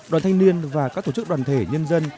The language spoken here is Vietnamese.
đoàn thanh niên và các tổ chức đoàn thể nhân dân